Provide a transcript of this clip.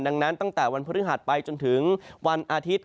ดังนั้นตั้งแต่วันพฤหัสไปจนถึงวันอาทิตย์